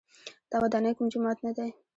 دا ودانۍ کوم جومات نه دی.